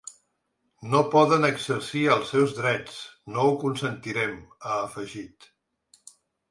No poden exercir els seus drets, no ho consentirem, ha afegit.